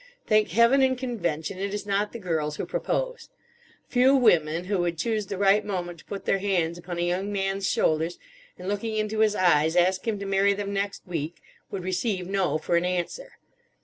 Thank Heaven and Convention it is not the girls who propose! Few women, who would choose the right moment to put their hands upon a young man's shoulders, and, looking into his eyes, ask him to marry them next week, would receive No for an answer.